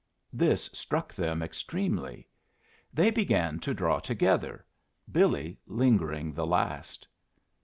This struck them extremely. They began to draw together, Billy lingering the last.